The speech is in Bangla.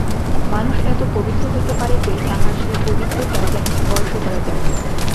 মানুষ এত পবিত্র হইতে পারে যে, তাহার সেই পবিত্রতা যেন স্পর্শ করা যায়।